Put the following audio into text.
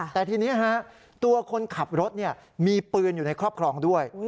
แต่ทีนี้ตัวคนขับรถมีปืนอยู่ในครอบครองด้วย